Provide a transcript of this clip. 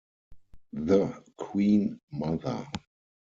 The Queen Mother.